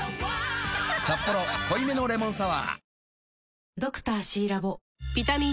「サッポロ濃いめのレモンサワー」